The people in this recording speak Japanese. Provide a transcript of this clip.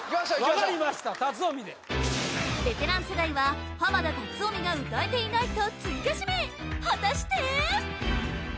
分かりました龍臣でベテラン世代は濱田龍臣が歌えていないと追加指名果たして？